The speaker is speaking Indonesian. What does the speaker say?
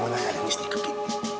bagaimana yang ada istri kekit